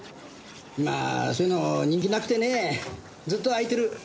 今はそういうの人気なくてねずっと空いてる。